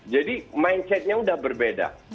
jadi mindsetnya sudah berbeda